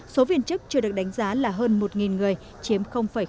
số viên chức chưa được đánh giá là hơn một người chiếm tám